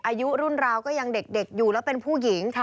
อายุรุ่นราวก็ยังเด็กอยู่แล้วเป็นผู้หญิง